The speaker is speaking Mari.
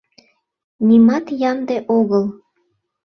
Нимат ямде огыл?